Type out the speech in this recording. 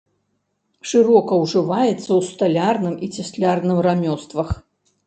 Шырока ўжываецца ў сталярным і цяслярным рамёствах.